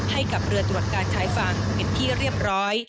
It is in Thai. ให้กับเรือตรวจการชายฝั่งเป็นที่เรียบร้อย